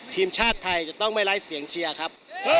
ทีมชาติไทยจะต้องไม่ไร้เสียงเชียร์ครับ